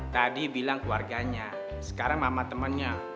tadi bilang keluarganya sekarang mamanya temennya